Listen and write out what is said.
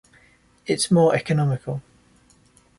It's more economical.